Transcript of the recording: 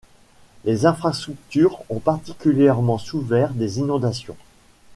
Les infrastructures ont particulièrement souffert des inondations.